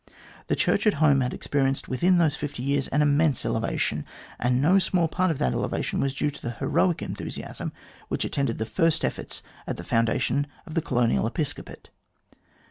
The Church at home had experienced within those fifty years an immense elevation, and no small part of that elevation was due to the heroic enthusiasm which attended the first efforts at the foundation of the Colonial Episcopate.